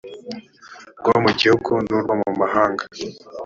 rwo mu gihugu n urwo mu mahanga